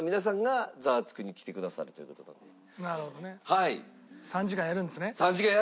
はい。